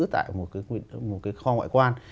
tại một cái kho ngoại quan